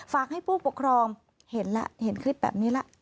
ฝากให้ผู้ปกครองเห็นแล้วเห็นคลิปแบบนี้แล้ว